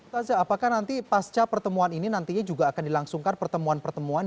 taza apakah nanti pasca pertemuan ini nantinya juga akan dilangsungkan pertemuan pertemuan